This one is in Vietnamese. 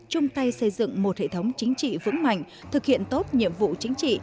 chung tay xây dựng một hệ thống chính trị vững mạnh thực hiện tốt nhiệm vụ chính trị